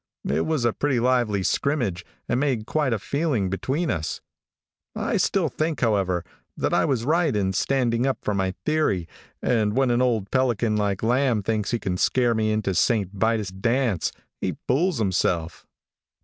It was a pretty lively scrimmage, and made quite a feeling between us. I still think, however, that I was right in standing up for my theory, and when an old pelican like Lamb thinks he can scare me into St. Vitus' dance, he fools himself.